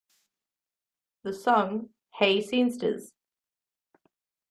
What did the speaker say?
The song Hey Scenesters!